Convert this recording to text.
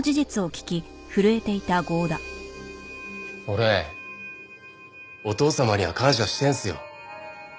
俺お父様には感謝してるんすよ。